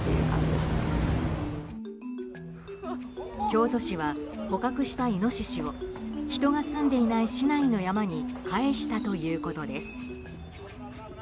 京都市は捕獲したイノシシを人が住んでいない市内の山に帰したということです。